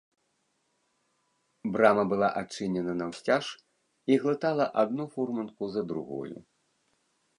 Брама была адчынена наўсцяж і глытала адну фурманку за другою.